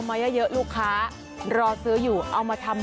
มายาเหล้อลูกค้ารอสื้ออยู่เอามาทำ